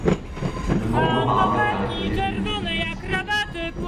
De nombreux paramètres caractérisent une étude sismique.